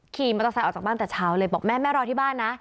ขี่มัตตาไซด์ออกจากบ้านตั้งแต่เช้าเลยบอกแม่รอที่บ้านนะ